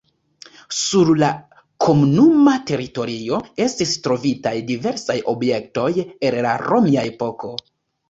Sur la komunuma teritorio estis trovitaj diversaj objektoj el la romia epoko.